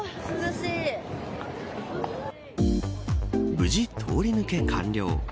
無事、通り抜け完了。